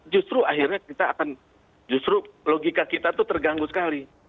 justru akhirnya kita akan justru logika kita tuh terganggu sekali